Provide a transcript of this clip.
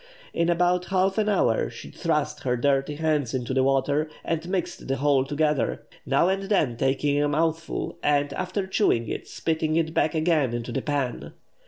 In about half an hour she thrust her dirty hands into the water, and mixed the whole together, now and then taking a mouthful, and, after chewing it, spitting it back again into the pan!